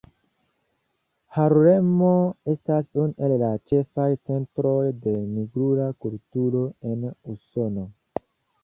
Harlemo estas unu el la ĉefaj centroj de nigrula kulturo en Usono.